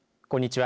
こんにちは。